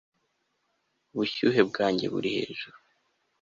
ubushyuhe bwanjye buri hejuru